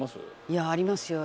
「いやありますよ。